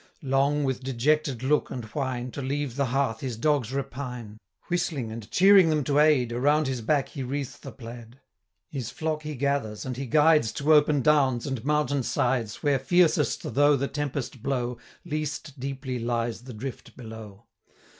Long, with dejected look and whine, 70 To leave the hearth his dogs repine; Whistling and cheering them to aid, Around his back he wreathes the plaid: His flock he gathers, and he guides, To open downs, and mountain sides, 75 Where fiercest though the tempest blow, Least deeply lies the drift below.